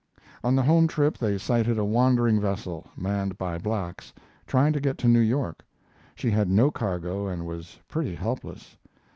On the home trip they sighted a wandering vessel, manned by blacks, trying to get to New York. She had no cargo and was pretty helpless.